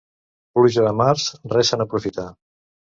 Pluja de març, res se n'aprofita.